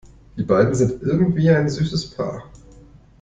Die beiden sind irgendwie ein süßes Paar.